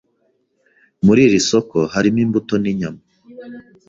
Muri iri soko hari imbuto ninyama.